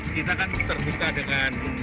kita kan terbuka dengan